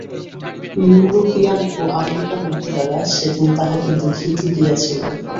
European ও American মহিলারা সেদিন তাঁহাকে দেখিতে গিয়াছিলেন।